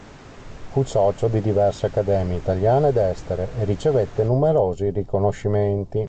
Fu socio di diverse accademie italiane ed estere e ricevette numerosi riconoscimenti.